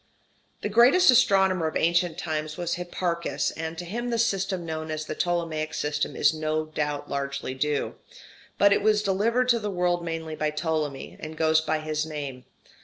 The greatest astronomer of ancient times was Hipparchus, and to him the system known as the Ptolemaic system is no doubt largely due. But it was delivered to the world mainly by Ptolemy, and goes by his name.